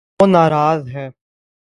وہ ناراض ہے